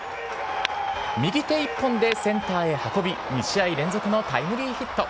右手一本でセンターへ運び、２試合連続のタイムリーヒット。